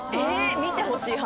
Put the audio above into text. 見てほしい派？